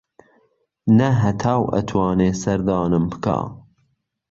نە هەتاو ئەتوانێ سەردانم بکا